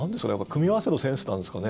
組み合わせのセンスなんですかね。